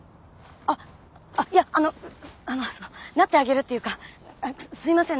あっいやあのなってあげるっていうかすいません